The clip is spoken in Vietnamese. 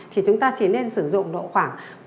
thì chúng ta chỉ nên sử dụng độ khoảng